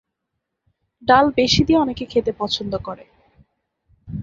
ডাল বেশি দিয়ে অনেকে খেতে পছন্দ করে।